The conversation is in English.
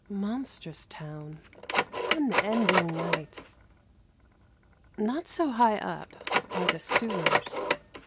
Monstrous town, unending night ! Not so high up are the sewers.